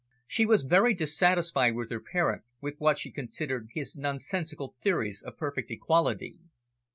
She was very dissatisfied with her parent, with what she considered his nonsensical theories of perfect equality.